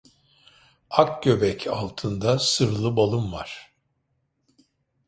Ak göbek altında sırlı balım var.